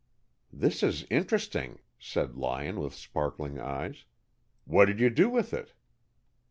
"This is interesting," said Lyon, with sparkling eyes. "What did you do with it?"